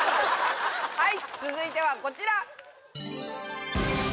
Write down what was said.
はい続いてはこちら。